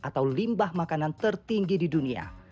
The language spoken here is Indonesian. atau limbah makanan tertinggi di dunia